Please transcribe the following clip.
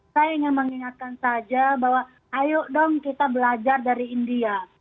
saya ingin mengingatkan saja bahwa ayo dong kita belajar dari india